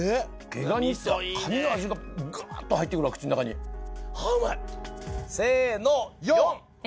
毛ガニってカニの味がガっと入ってくるわ口の中にはぁうまい！せの！